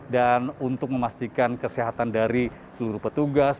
dan untuk memastikan kesehatan dari seluruh petugas